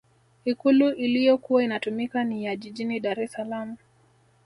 ikulu iliyokuwa inatumika ni ya jijini dar es salaam